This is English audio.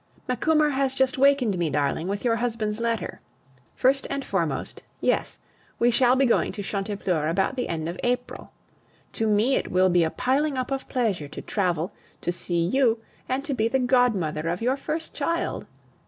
Macumer has just wakened me, darling, with your husband's letter. First and foremost Yes. We shall be going to Chantepleurs about the end of April. To me it will be a piling up of pleasure to travel, to see you, and to be the godmother of your first child.